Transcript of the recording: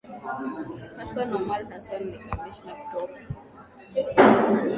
hassan omar hassan ni kamishna kutoka